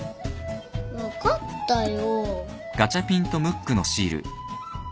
分かったよ。